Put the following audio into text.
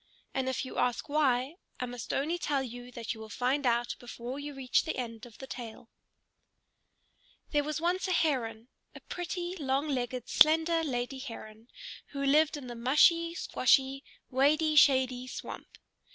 And if you ask why, I must only tell you that you will find out before you reach the end of the tale. There was once a Heron, a pretty, long legged, slender lady Heron, who lived in the mushy squshy, wady shady swamp.